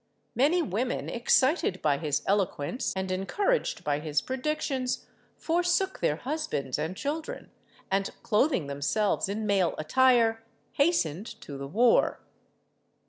Many women, excited by his eloquence, and encouraged by his predictions, forsook their husbands and children, and, clothing themselves in male attire, hastened to the war.